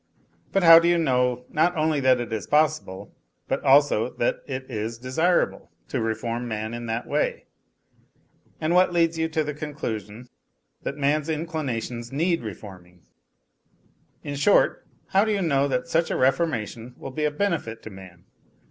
But how do you know, not only that it is possible, but also that it is desirable, to reform man in that way ? And what leads you to the con clusion that man's inclinations need reforming ? In short, how do you know that such a reformation will be a benefit to man